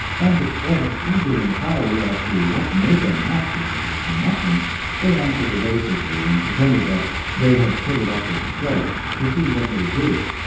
And to Ed's eager inquiry as to what made them act as they had been acting, they answered evasively, and pretended that they had put it up as a joke, to see what he would do.